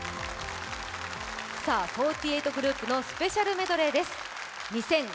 ４８グループのスペシャルメドレーです。